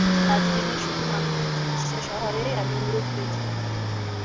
দার্জিলিঙে শুধু মানসিক চিকিৎসা-সহায়েই আমি নীরোগ হয়েছিলাম।